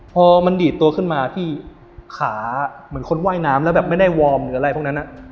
พอมันดีดตัวขึ้นมาพี่ขาเหมือนคนว่ายน้ำแล้วแบบไม่ได้วอร์มหรืออะไรพวกนั้น